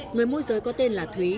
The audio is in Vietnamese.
người môi giới có tên là thúy